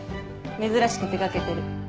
珍しく出掛けてる。